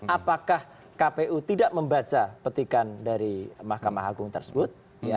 apakah kpu tidak membaca petikan dari mahkamah agung tersebut